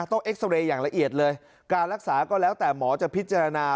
เอ็กซอเรย์อย่างละเอียดเลยการรักษาก็แล้วแต่หมอจะพิจารณา